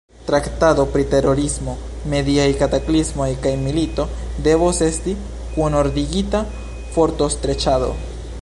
Traktado pri terorismo, mediaj kataklismoj kaj milito devos esti kunordigita fortostreĉado.